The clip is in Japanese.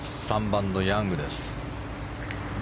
３番のヤングです。